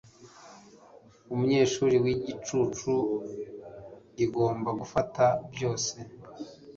umunyeshuri wigicucu, igomba gufata byose